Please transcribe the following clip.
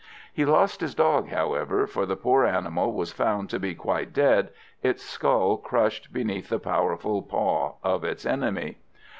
He lost his dog, however, for the poor animal was found to be quite dead, its skull crushed beneath the powerful paw of its enemy.